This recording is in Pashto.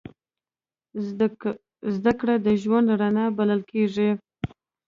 زدهکړه د ژوند رڼا بلل کېږي.